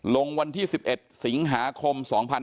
ลงวันที่๑๑สิงหาคม๒๕๖๒